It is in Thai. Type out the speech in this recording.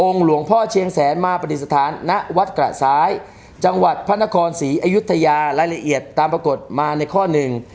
หลวงพ่อเชียงแสนมาปฏิสถานณวัดกระซ้ายจังหวัดพระนครศรีอยุธยารายละเอียดตามปรากฏมาในข้อหนึ่ง